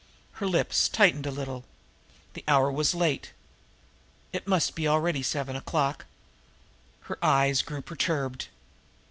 Her lips tightened a little. The hour was late. It must be already after eleven o'clock. Her eyes grew perturbed.